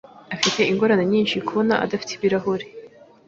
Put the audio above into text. Afite ingorane nyinshi kubona adafite ibirahure.